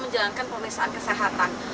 menjalankan pemeriksaan kesehatan